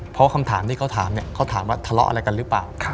เพราะคำถามที่เขาถามเนี่ยเขาถามว่าทะเลาะอะไรกันหรือเปล่า